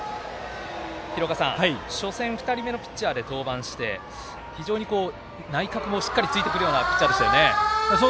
廣岡さん、初戦２人目のピッチャーで登板して非常に内角も、しっかりついてくるようなピッチャーでしたよね。